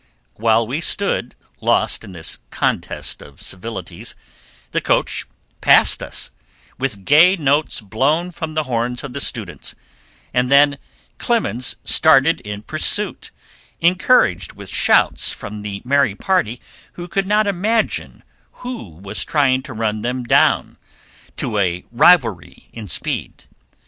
While we stood, lost in this "contest of civilities," the coach passed us, with gay notes blown from the horns of the students, and then Clemens started in pursuit, encouraged with shouts from the merry party who could not imagine who was trying to run them down, to a rivalry in speed.